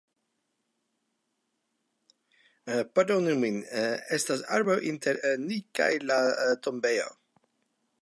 Pardonu min, estas arbo inter ni kaj la tombejo